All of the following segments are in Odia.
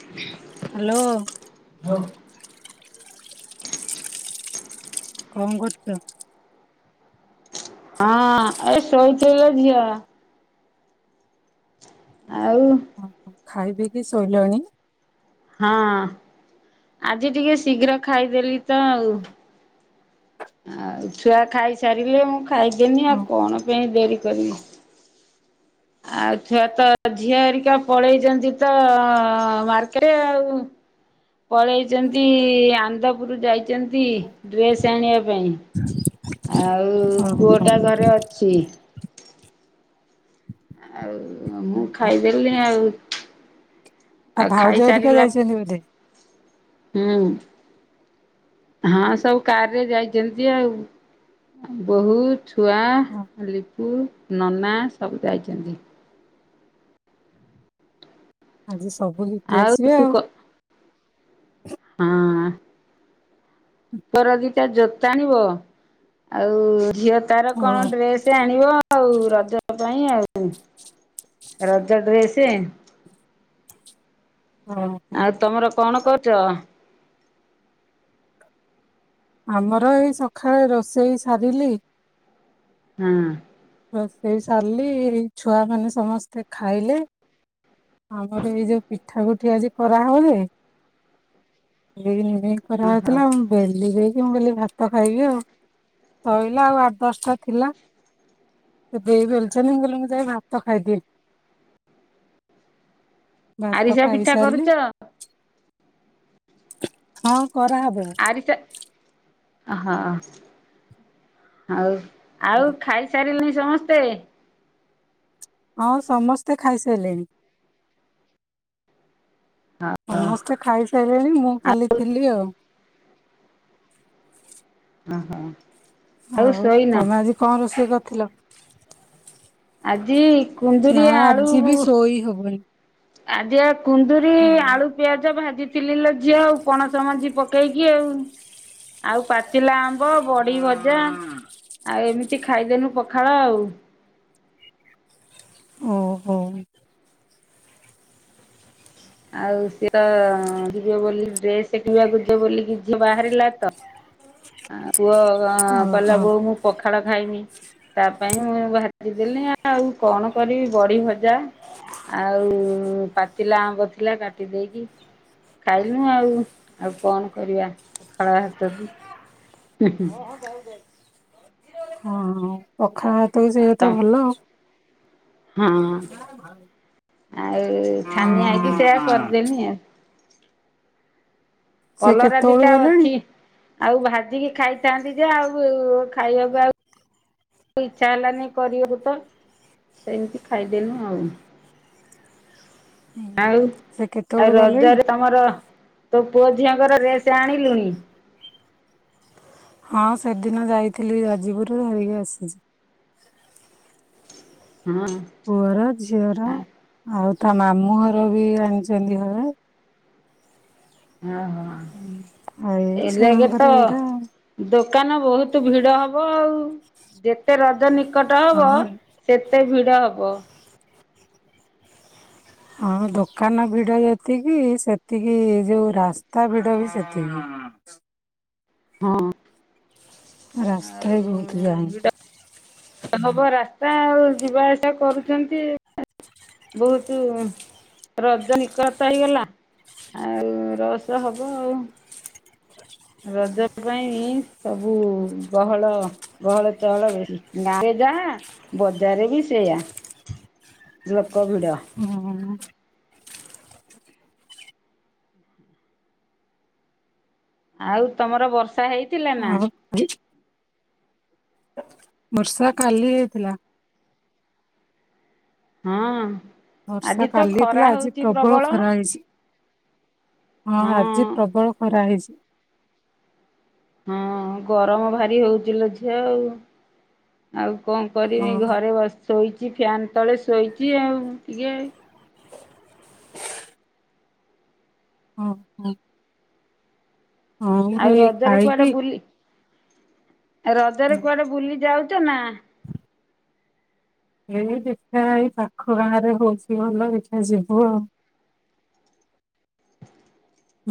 [inaudible] ହାଲୋ। [unintelligible] କଣ କରୁଚ? ହଁ, ଏ ଶୋଇଚିଲୋ ଝିଅ। ଆଉ। ଓହୋ ଖାଇ ପିଇକିି ଶୋଇଲଣି। ହଁ, ଆଜି ଟିକେ ଶୀଘ୍ର ଖାଇଦେଲି ତ ଆଉ। ଓ ଆଉ ଛୁଆ ଖାଇସାରିଲେ ମୁଁ ଖାଇଦେନି ଆଉ ହଁ କଣ ପାଇଁ ଡେରି କରିବି। [inaudible] ଆଉ ଛୁଆ ତ ଝିଅ ହେରିକା ପଳେଇଛନ୍ତି ତ ମାର୍କେଟ ଆଉ। ପଳେଇଚନ୍ତି ଆନ୍ଦପୁରୁ ଯାଇଚନ୍ତି ଡ୍ରେସ ଆଣିବା ପାଇଁ। ଆଉ ପୁଅଟା ହଁ। ଘରେ ଅଛି। ଆଉ ମୁଁ ଖାଇଦେଲି ଆଉ। ତା ଆଉ ଭାଉଜ ହେରିକା ଖାଇସାରିଲା ଯାଇଛନ୍ତି ବୋଧେ ହୁଁ। ହଁ, ସବୁ କାର୍ ରେ ଯାଇଛନ୍ତି ଆଉ। ବୋହୂ, ଛୁଆ, ଲିପୁ, ନନା ସବୁ ଯାଇଛନ୍ତି। ଆଜି ସବୁରି ଆଉୁ ତୁ କ ହଁ। ପୁଅର ଦିଟା ଜୋତା ଆଣିବ ଆଉ ଝିଅ ତାର କଣ ହଁ ଡ୍ରେସ ଆଣିବ। ଆଉ ରଜ ପାଇଁ ଆଉ ରଜ ଡ୍ରେସେ। ହଁ। ଆଉ ତମର କଣ କରୁଚ? ଆମର ଏଇ ସଖାଳେ ରୋଷେଇ ସାରିଲି ହଁ। ରୋଷେଇ ସାରିଲି ଛୁଆ ମାନେ ସମସ୍ତେ ଖାଇଲେ ଆମର ଏଇ ଯୋଉ ପିଠା ପୁଠି ଆଜି କରା ହଉନି ଏଇ ନିମେଇ କରା ଯାଉଥିଲା ଆଉ ବେଲି ଦେଇକି ମୁଁ କହିଲି ଭାତ ଖାଇବି ଆଉ ସଇଲା ଆଉ ଆଠ ଦଶଟା ଥିଲା। ଏବେ ହେଇ ବେଲୁଛନ୍ତି ମୁଁ କହିଲି ମୁଁ ଯାଇ ଭାତ ଖାଇଦିଏ। ଭାତ ଆରିସା ପିଠା ଖାଇସାରିଲି କରୁଛ ହଁ କରାହେବ। ଆରିସା ହଁ ଆଉ ଆଉ ଖାଇ ସାରିଲେଣି ସମସ୍ତେ ହଁ, ସମସ୍ତେ ଖାଇସାରିଲେଣି। ହଉ ସମସ୍ତେ ଖାଇସାରିଲେଣି ମୁଁ ଆଉ ଖାଲି ଥିଲି ଆଉ। ଓହୋ। ଆଉ ହଉ ଶୋଇନ? ତମେ ଆଜି କଣ ରୋଷେଇ କରିଥିଲ? ଆଜି ନା କୁନ୍ଦୁରି ଆଳୁ ଆଜି ମୁ ବି ଶୋଇ ହବନି। ଆଜି ଆଉ କୁନ୍ଦୁରି ଆଳୁ, ହଁ ପିଆଜ, ଭାଜିଥିଲି ଲେ ଝିଅ ଆଉ ପଣସ ମଜି ପକେଇକି ଆଉ। ଆଉ ପାଚିଲା ଆମ୍ବ, ବଡି ଭଜା, ଆଉ ଏମିତି ଖାଇଦେନୁ ପଖାଳ ଆଉ। ଓହୋ କଣ ହେଇଥିଲା? ଆଉ ସିଏ ତ ଯିବେ ବୋଲି ଡ୍ରେସ କିଣିବାକୁ ଝିଅ ବାହାରିଲା ତ ଆ ପୁଅ ଓହୋ କହିଲା ବୋଉ ମୁଁ ପଖାଳ ଖାଇମି। ତା ପାଇଁ ମୁଁ ଭାଜିଦେଲି ଆଉ କଣ କରିବି ବଡ଼ି ଭଜା। ଆଉ ପାଚିଲା ଆମ୍ବ ଥିଲା କାଟି ଦେଇକି ଖାଇଲୁ ଆଉ ଆଉ କଣ କରିବା ପଖାଳ ଭାତକୁ [unintelligible] ହଁ ପଖାଳ ଭାତକୁ ସେତ ଭଲ। ହୁଁ ଆଉ ଛାନିଆ ହେଇକି ସେଆ କରିଦେନଣି। ସେ କଲରା କେତେବେଳୁ ଦିଟା ଗଲେଣି? ଅଛି ଆଉ ଭାଜିକି ଖାଇଥାନ୍ତି ଯେ ଆଉ ଖାଇବାକୁ ଆଉ ଇଛା ହେଲାନି କରିବାକୁ ତ ସେମିତି ଖାଇଦେଳୁ ଆଉ। ଆଉ ସେ ଆଉ କେତେବେଳୁ ଗଲେଣି? ରଜରେ ତମର ତୋ ପୁଅ ଝିଅଙ୍କର ଡ୍ରେସ ଆଣିଲୁଣି? ହଁ ସେଦିନ ଯାଇଥିଲି ଜାଜପୁରୁ ଧରିକି ଆସିଛି। ହଁ। ପୁଅର ଝିଅର ଆଉ ତା ମାମୁଁ ଘର ବି ଆଣିଛନ୍ତି ହଳେ। ଓହୋ ଆଉ ଏ ଏଲେଗ ଛୁଆଙ୍କର ତ ଏଇରା ଆଉ। ଦୋକାନ ବହୁତ ଭିଡ ହବ ଆଉ ଯେତେ ରଜ ନିକଟ ହବ। ହଁ ସେତେ ଭିଡ଼ ହବ। ହଁ ଦୋକାନ ଭିଡ଼ ଯେତିକି ସେତିକି ଯେଉଁ ରାସ୍ତା ଭିଡ଼ ବି ସେତିକି। ହଁ। ହଁ। ରାସ୍ତା ଆଉ ବି ବହୁତ ଯାଏମେ ହେବ ରାସ୍ତା ଆଉ ଯିବା ଆସିବା କରୁଛନ୍ତି। ବହୁତ ରଜ ନିକଟତ ହେଇଗଲା। ଆଉ ରସ ହବ ଆଉ। ରଜ ପାଇଁ ସବୁ ଗହଳ ଗହଳ ଚହଳ ବେଶୀ ଗାଁରେ ଯାହା ବଜାରରେ ବି ସେଇଆ ଲୋକ ଭିଡ। ହୁଁ ଉ? ଆଉ ତମର ବର୍ଷା ହେଇ ହଁ [unintelligible] ବର୍ଷା କାଲି ହେଇଥିଲା। ହଁ। ଆଜି ବର୍ଷା ତ କାଲି ଖରା ହାଇଥିଲା ଆଜି ହଉଛି ପ୍ରବଳ ଖରା ହେଇଛି। ହଁ ଆଜି ପ୍ରବଳ ଖରା ହେଇଛି। ହଁ ଗରମ ଭାରି ହଉଥିଲେ ଝିଅ ଆଉ ଆଉ କଣ ହଁ କରିବି ଘରେ ବଶି ଶୋଇଛି ଫ୍ୟାନ୍ ତଳେ ଶୋଇଛି ଆଉ ଟିକେ- ହଁ ହଁ ହଁ ଆଉ ମୁଁ ରଜରେ କୁଆଡେ ଖାଇକି ବୁଲି ରଜରେ କୁଆଡେ ବୁଲି ଯାଉଛ ନା ଏଇ ଦେଖା୍ହେଇ ପାଖ୍ ଗାଁ ରେ ହଉଛି ଭଲ ଦେଖା ଯିବୁ ଆଉ [unintelligible]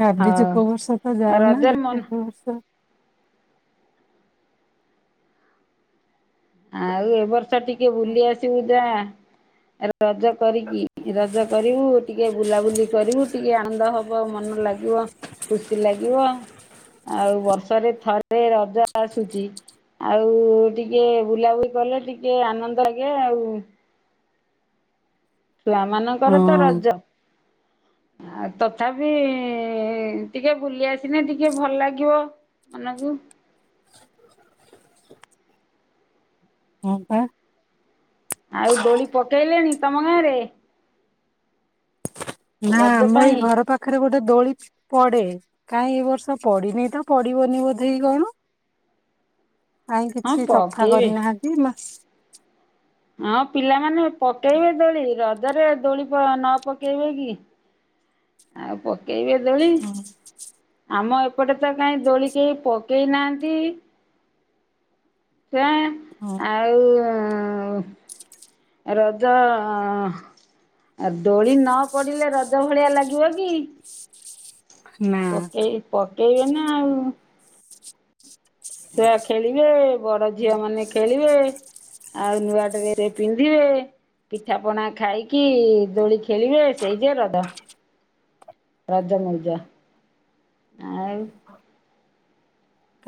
ଭାବିଛୁ ହଉ କଉ ବର୍ଷ ତ ଯାଉନା ରଜରେ ମନ ଦେଖା ଏ ବର୍ଷ ଆଉ ଏ ବର୍ଷ ଟିକେ ବୁଲି ଆସିବୁ ଯା ରଜ କରିକି। ରଜ କରିବୁ ଟିକେ ବୁଲାବୁଲି କରିବୁ ଟିକେ ଆନନ୍ଦ ହବ ମନ ଲାଗିବ। ଖୁସି ଲାଗିବ ଆଉ ବର୍ଷରେ ଥରେ ରଜ ଆସୁଛି ଆଉ ଟିକେ ବୁଲାବୁଲି କଲେ ଟିକେ ଆନନ୍ଦ ଲାଗେ ଆଉ ଛୁଆ ହଁ ମାନଙ୍କର ତ ରଜ। ଆଉ ତଥାପି- ଟିକେ ବୁଲି ଆସିନେ ଟିକେ ଭଲ ଲାଗିବ। ମାନକୁ ହଁ ପା। ଆଉ ଦୋଳି ପକେଇଲେଣି ତମ ଗାଁ ରେ? ନା ରଜ ମୁଁ ଏଇ ପାଇଁ ଘର ପାଖରେ ଗୋଟେ ଦୋଳି ପଡେ କାଇଁ ଏ ବର୍ଷ ପଡିିନି ତ ପଡିବନି ବୋଧେଇ କଣ। କାଇଁ ହଁ କିଛି ସଫା ପକେଇବେ କରିନାହାନ୍ତି ମାସ୍ ହଁ ପିଲାମାନେ ପକେଇବେ ଦୋଳି ରଜରେ ଦୋଳିପ ନ ପକେଇବେ କି। ଆ ପ୍ ପକେଇବେ ଦୋଳି, ହୁଁ। ଆମ ଏପଟେ ତ କାହିଁ ଦୋଳି କେହି ପକେଇ ନାହାନ୍ତି। ଛୁଆଁ ହଁ ଆଉ ରଜ ଅଁ ଆ ଦୋଳି ନ ପଡ଼ିଲେ ରଜ ଭଳିଆ ଲାଗିବ କି। [inaudible] ନା ପକେଇ ପକେଇବେ ନା ଆଉ। ଛୁଆ ଖେଳିବେ, ବଡ ଝିଅ ମାନେ ଖେଳିବେ, ଆଉ ନୂଆ ଡ୍ରେସେ ପିନ୍ଧ୍ ଧିବେ ପିଠା ପଣା ଖାଇକି ଦୋଳି ଖେଳିବେ ସେଇ ଯେ ରଦ। ରଜମଉଜ ଆଉ ହଁ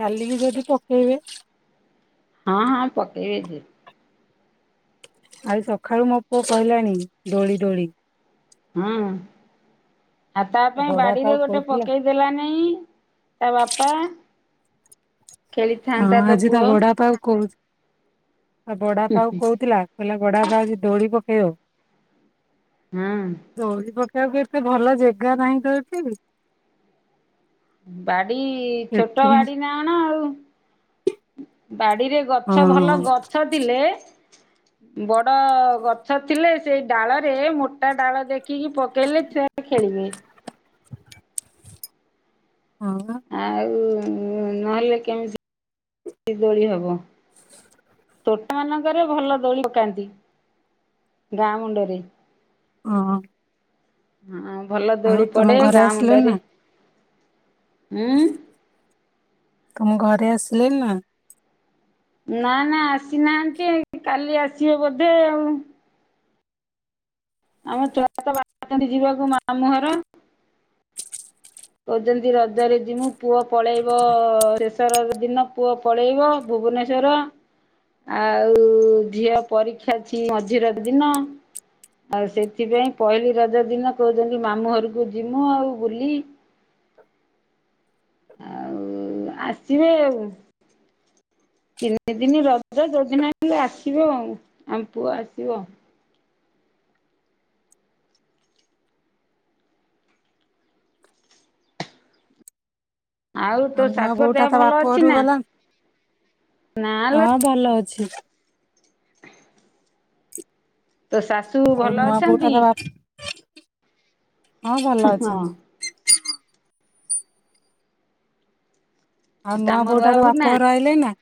କାଲି କି ଯଦି ପକେଇବେ। ହଁ ହଁ ପକେଇ ବେ ଯେ। ଆଜି ସକାଳୁ ମୋ ପୁଅ କହିଲାଣି ଦୋଳି ଦୋଳି। ହୁଁ, ଆ ତା ପାଇଁ ବଡାପା ବାଡିରେ ଗୋଟେ କହୁଥିଲା ପକେଇ ଦେଲାନେଇ ତା ବାପା। ହଁ ଖେଳିଥାନ୍ତା ତୋ ଆଜି ତା ପୁଅ ବଡା ବାପାକୁ କହୁ ତା ବଡା ପା କହୁଥିଲା କହିଲା ବଡା ପା ଆଜି ଦୋଳି ପକେଇବ। ହୁଁ। ଦୋଳି ପକେଇବାକୁ ଏତେ ଭଲ ଯେଗା ନାହିଁ ତ ଏଠି। ବାଡି ଛୋଟ ସେଥିପାଇଁ ବାଡି ନା କଣ ଆଉ। ବାଡିରେ ଗଛ ଭଲ ହଁ ଗଛ ଥିଲେ ବଡ ଗଛ ଥିଲେ ସେଇ ଡାଳରେ ମୋଟା ଡାଳ ଦେଖିକି ପକେଇଲେ ସେ [unintelligible] ଖେଳିବେ। ହଁ ପା। ଆଉ ନହେଲେ କେମିତି ଦୋଳି ହବ? ତୋଟା ମାନଙ୍କରେ ଭଲ ଦୋଳି ପକାନ୍ତି, ଗାଁ ମୁଣ୍ଡରେ। ଅଁ। ହଁ ଭଲ ଦୋଳି ପଡେ ତମ ଘରେ ଗାଁ ଆସିଲେଣି ମୁଣ୍ଡରେ ନା ଉଁ। ତମ ଘରେ ଆସିଲେ ନି ନା? ନା ନା ଆସିନାହାନ୍ତି ଏ କାଲି ଆସିବେ ବୋଧେ ଆଉ। ଆମ ଛୁଆ ତ ବାହାରିଛନ୍ତି ଯିବାକୁ ମାମୁ ଘର। କହୁଛନ୍ତି ରଜରେ ଯିମୁ ପୁଅ ପଳେଇବ ସେଶ ରଜ ଦିନ ପୁଅ ପଳେଇବ ଭୁବନେଶ୍ୱର। ଆଉ ଝିଅ ପରୀକ୍ଷା ଅଛି ମଝି ରଜ ଦିନ। ଆଉ ସେଥିପାଇଁ ପହିଲି ରଜ ଦିନ କହୁଛନ୍ତି ମାମୁଁ ଘରକୁ ଯିମୁ ଆଉ ବୁଲି। ଆଉ ଆସିବେ ଆଉ। ତିନି ଦିନି ରଜ ଯଉଦିନ ହେଲେ ଆସିବ ଆଉ ଆମ ପୁଅ ଆସିବ। ଆଉ ତୋ ନୂଆ ଶାଶୁ ର ବୋଉଟା ଦେହ ତା ବାପ ଭଲ ଅଛି ଘରକୁ ନା? ଗଲାଣି? ନାଲୋ ହଁ ଭଲ ଅଛି। ତୋ ଶାଶୁ ଆଉ ଭଲ ନୂଆ ବୋଉଟା ଅଛନ୍ତି? ତ ବା ହଁ ଭଲ ହଁ ଅଛନ୍ତି। ଆଉ ନୂଆ କାମ ବୋଉଟା ର ବୋହୂ ବାପ ନା ଘର ଆଇଲେ ନା?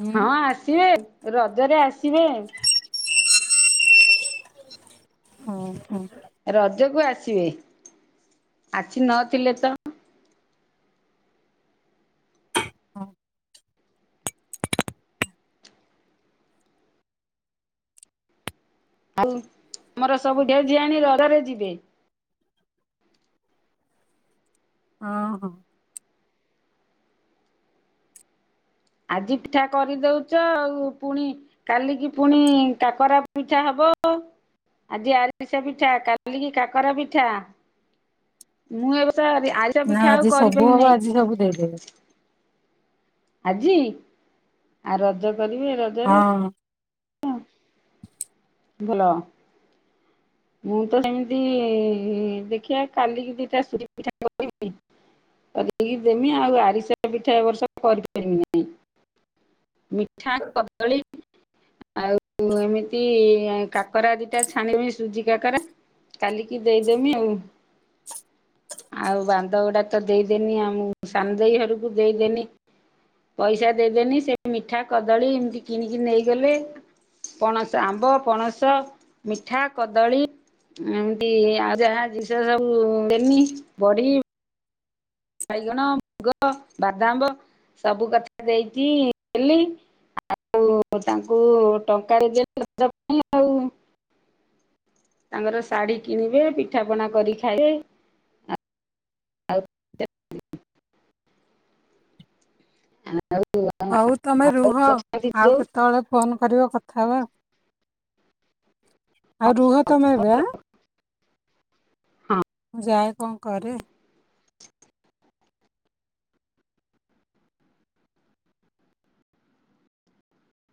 ହୁଁ ହଁ ଆସିବେ ରଜରେ ଆସିବେ। ହୁଁ ହୁଁ। ରଜକୁ ଆସିବେ ଆସି ନଥିଲେ ତ। ହଁ। ଆତୁ ଆମର ସବୁ [unintelligible] ଆଣି ରଡ଼ରେ ଯିବେ। ହଁ ହଁ। ଆଜି ପିଠା କରିଦଉଚ ଆଉ ପୁଣି କାଲିକି ପୁଣି କାକରା ପିଠା ହବ ଆଜି ଆରିଷା ପିଠା କାଲିକି କାକର ପିଠା। ମୁଁ ଏବର୍ଷ ଆ ଆରିଷା ନା ପିଠା ଆଉ ଆଜି ସବୁ କରିପାରିବି ହବ ନାହିଁ। ଆଜି ସବୁ ଦେଇଦେବେ। ଆଜି ଆ ରଜ କରିବେ ର ହଁ। ଭଲ। ମୁଁ ତ ସେମିତି ଦେଖିଆ କାଲିକି ଦିଟା [unintelligible] ପିଠା କରିବି। କରିକି ଦେମି ଆଉ ଆରିସା ପିଠା ଏ ବର୍ଷ କରିପାରିବି ନାଇଁ। ମିଠା କଦଳୀ ଆଉ ଏମିତି କାକରା ଦିଟା ଛାଣିବି ସୁଜି କାକରା କାଲିକି ଦେଇଦମି ଆଉ। ଆଉ ବାନ୍ଦଗୋଡା ତ ଦେଇଦେନି ଆଉ ମୁ ସାନ ଦେଇ ଘରକୁ ଦେଇଦେନି ପଇସା ଦେଇଦେନି ସେ ମିଠା, କଦଳୀ ଏମିତି କିଣିକି ନେଇଗଲେ। ପଣସ ଆମ୍ବ, ପଣସ, ମିଠା, କଦଳୀ ଏମିତି ଆଉ ଯାହା ଜିନଷ ସବୁ ଦେନି ବଡ଼ି ବାଇଗଣ, ମୁଗ, ବାଦାମ୍ବ ସବୁ କଥା ଦେଇଚି ଦେଲି। ଆଉ ତାଙ୍କୁ ଟଙ୍କା [unintelligible] ଆଉ। ତାଙ୍କର ଶାଢ଼ୀ କିଣିବେ ପିଠା ପଣା କରି ଖାଇବେ। ଆଉ [unintelligible] ହଉ ତମେ ରୁହ ଆଉ ଯୋଉ ହଁ କେତେବେଳେ ଫୋନ କରିବ କଥା ହେବା। ଆଉ ରୁହ ତମେ ଏବେ ଆଁ? ହଁ। ମୁଁ ଯାଏ କଣ କରେ।